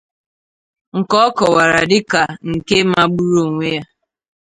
nke ọ kọwàrà dịka nke magburu onwe ya.